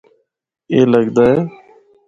اے لگدا اے۔